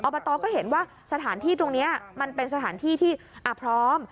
บตก็เห็นว่าสถานที่ตรงนี้มันเป็นสถานที่ที่พร้อม